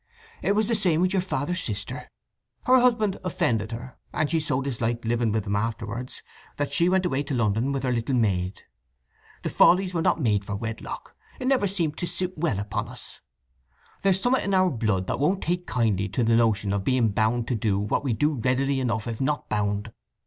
"It was the same with your father's sister. Her husband offended her, and she so disliked living with him afterwards that she went away to London with her little maid. The Fawleys were not made for wedlock: it never seemed to sit well upon us. There's sommat in our blood that won't take kindly to the notion of being bound to do what we do readily enough if not bound.